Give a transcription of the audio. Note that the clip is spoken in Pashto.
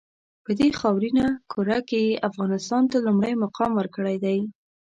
په دې خاورینه کُره کې یې افغانستان ته لومړی مقام ورکړی دی.